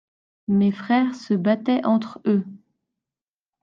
Mes frères se battaient entre-eux.